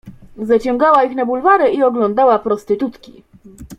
Zaciągała ich na bulwary i oglą dała prostytutki.